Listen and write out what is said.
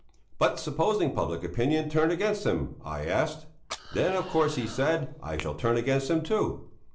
"But supposing public opinion turned against him?" I asked. "Then, of course," he said, "I shall turn against him too."